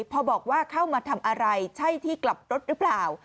พอบอกว่าเข้ามาทำอะไรใช่ที่กลับรถหรือเปล่า